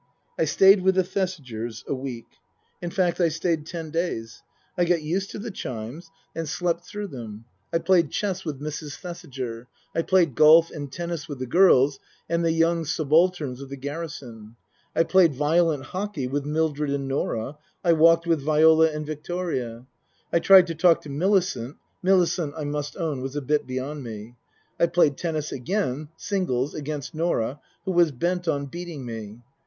I stayed with the Thesigers a week. In fact, I stayed ten days. I got used to the chimes and slept through 104 Tasker Jevons them. I played chess with Mrs. Thesiger ; I played golf and tennis with the girls and the young subalterns of the garrison ; I played violent hockey with Mildred and Norah ; I walked with Viola and Victoria ; I tried to talk to Millicent (Millicent, I must own, was a bit beyond me) ; I played tennis again (singles) against Norah, who was bent on beating me.